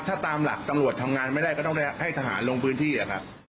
ถ้าตามหลักตำรวจทำงานไม่ได้ก็ต้องได้ให้ทหารลงพื้นที่นะครับ